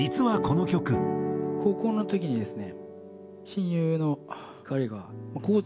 高校の時にですね。